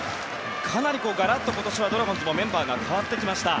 かなりガラッと今年はドラゴンズもメンバーが変わってきました。